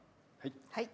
はい。